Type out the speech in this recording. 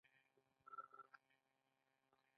د ادارې په موافقه له هیواده بهر د تحصیل لپاره.